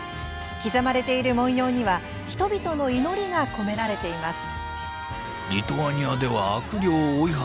刻まれている文様には人々の祈りが込められています。